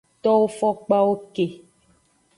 Towo fokpawo ke.